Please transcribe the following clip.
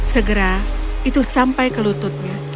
segera itu sampai ke lututnya